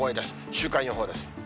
週間予報です。